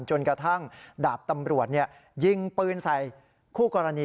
จนกระทั่งดาบตำรวจยิงปืนใส่คู่กรณี